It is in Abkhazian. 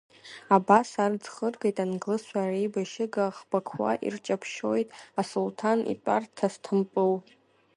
Абас ар ӡхыргеит англызцәа, реибашьыга ӷбақуа ирҷаԥшьоит Асулҭан итәарҭа Сҭампыл.